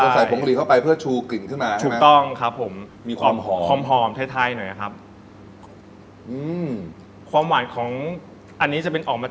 อ๋อจะใส่ผงกะหรี่เข้าไปเพื่อชูกลิ่นขึ้นมาใช่ไหม